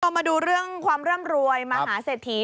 ก็มาดูเรื่องความเริ่มรวยมหาเสร็จถี